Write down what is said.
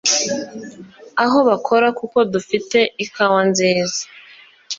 aho bakora kuko dufite Ikawa nziza